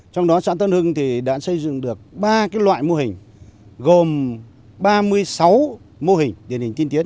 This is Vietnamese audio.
trong đó xã tân hưng đã xây dựng được ba loại mô hình gồm ba mươi sáu mô hình điển hình tiên tiến